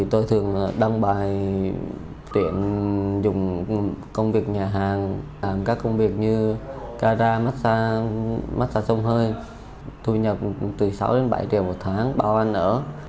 tôi thường đăng bài tuyển dùng công việc nhà hàng làm các công việc như ca ra mát xa mát xa sông hơi thu nhập từ sáu đến bảy triệu một tháng bao anh ở